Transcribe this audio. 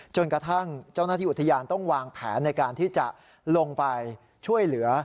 จนกระทั่งเจ้าหน้าที่อุทยานต้องวางแผนในการที่จะลงไปช่วยเหลือ